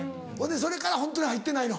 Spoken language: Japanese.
それからホントに入ってないの？